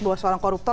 bahwa seorang koruptor